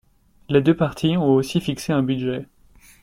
Les deux parties ont aussi fixé un budget.